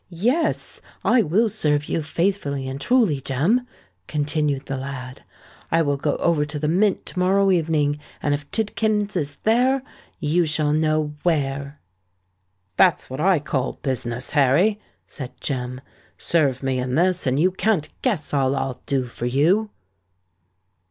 Yes—I will serve you faithfully and truly, Jem," continued the lad: "I will go over to the Mint to morrow evening; and if Tidkins is there, you shall know where." "That's what I call business, Harry," said Jem. "Serve me in this—and you can't guess all I'll do for you."